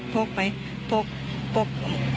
พกไปพกพก